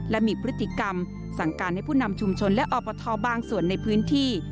และมีพฤติกรรมสั่งการให้ผู้นำชุมชนและอบทบางส่วนในพื้นที่